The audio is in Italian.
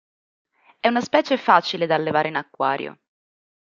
È una specie facile da allevare in acquario.